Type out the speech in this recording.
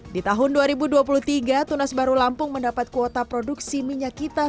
di tahun dua ribu dua puluh tiga tunas baru lampung mendapat kuota produksi minyak kita